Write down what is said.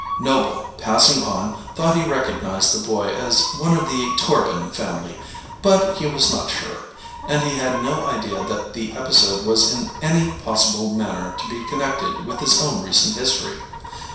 Noble, passing on, thought he recognized the boy as one of the Torbin family, but he was not sure, and he had no idea that the episode was in any possible manner to be connected with his own recent history.